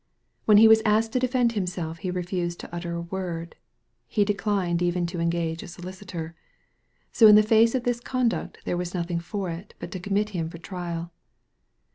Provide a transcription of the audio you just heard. When he was asked to defend himself he refused to utter a word ; he declined even to engage a solicitor ; so in the face of this conduct there was nothing for it but to commit him for trial.